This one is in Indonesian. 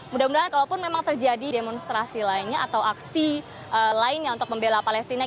mudah mudahan kalaupun memang terjadi demonstrasi lainnya atau aksi lainnya untuk membela palestina